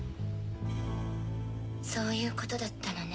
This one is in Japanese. そういうことだったのね。